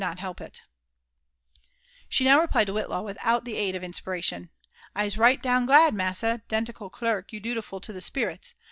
not help ik She now replied to Whitlaw without the aid of inspiration. " I'se right down glad, massa 'dential clerk, you dutiful to the spirits.